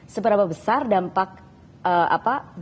seberapa besar dampak deklarasi ini kepada partai hanura